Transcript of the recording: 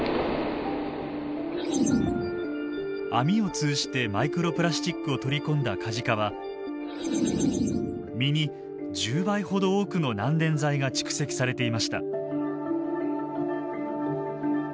アミを通じてマイクロプラスチックを取り込んだカジカは身に１０倍ほど多くの難燃剤が蓄積されていました。